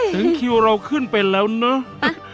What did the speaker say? จนคิวเราขึ้นไปแล้วเนอะ